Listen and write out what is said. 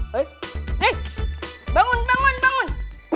hei bangun bangun bangun